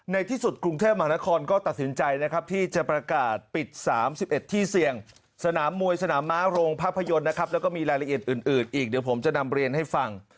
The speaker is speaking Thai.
ในที่สุดกรุงเทพมหานครก็ตัดสินใจนะครับที่จะประกาศปิด๓๑ที่เสี่ยงสนามมวยสนามม้าโรงภาพยนตร์นะครับแล้วก็มีรายละเอียดอื่นอีกเดี๋ยวผมจะนำเรียนให้ฟัง